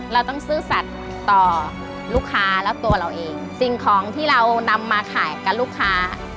เราต้องซื่อสัตว์ต่อลูกค้าและตัวเราเองสิ่งของที่เรานำมาขายกับลูกค้า